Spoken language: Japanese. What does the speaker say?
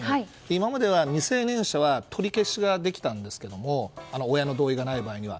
今まで未成年者は取り消しができたんですけれども親の同意がない場合には。